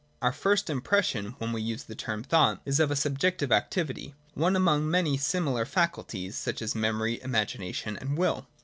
Our first impression when we use the term thought is of/ a subjective activity— one amongst many similar faculties,! such as memory, imagination and will.